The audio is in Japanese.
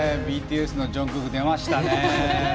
ＢＴＳのジョングク出ましたね。